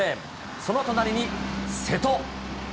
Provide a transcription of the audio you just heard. その隣に瀬戸。